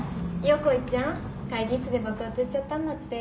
横井ちゃん会議室で爆発しちゃったんだって？